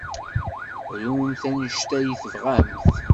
Rumt anect ay tebɣamt.